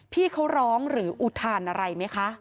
พี่เขาร้องหรืออุทานอะไรไหมคะ